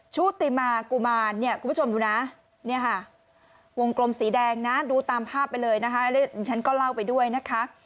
ชุติมากุมารคุณผู้ชมดูนะวงกลมสีแดงนะดูตามภาพไปเลยนะคะและฉันก็เล่าไปด้วยนะคะ